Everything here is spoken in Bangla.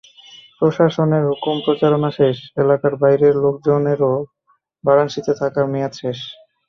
প্রশাসনের হুকুম, প্রচারণা শেষ, এলাকার বাইরের লোকজনেরও বারানসিতে থাকার মেয়াদ শেষ।